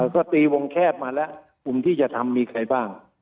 ก็ตีวงแคบมาแล้วกลุ่มที่จะทำมีใครบ้าง